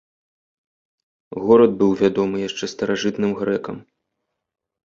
Горад быў вядомы яшчэ старажытным грэкам.